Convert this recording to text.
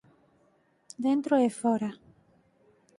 Dentro e fóra.